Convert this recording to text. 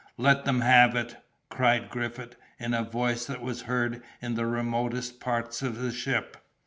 "Let them have it!" cried Griffith, in a voice that was heard in the remotest parts of the ship.